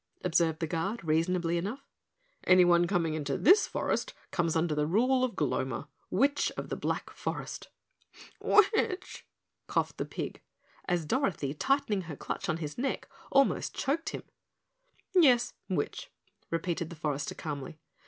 observed the Guard reasonably enough. "Anyone coming into this forest comes under the rule of Gloma, Witch of the Black Forest." "Witch?" coughed the pig, as Dorothy, tightening her clutch on his neck, almost choked him. "Yes, witch," repeated the forester calmly.